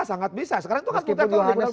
sangat bisa sekarang itu kan bukti meskipun yohanes